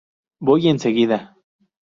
Voy enseguida.